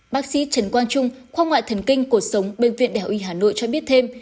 bác sĩ trần quang trung khoa ngoại thần kinh cuộc sống bệnh viện đại học y hà nội cho biết thêm